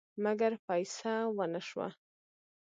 مګر فیصه ونه شوه.